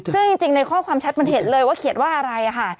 ซึ่งจริงในข้อความแชทมันเห็นเลยว่าเขียนว่าอะไรค่ะ